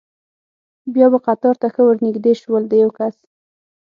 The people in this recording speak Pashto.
بیا به قطار ته ښه ور نږدې شول، د یو کس.